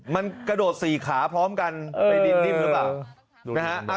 มันกระโดดสี่ขาพร้อมกันไปดิ้นดิ้มหรือเปล่า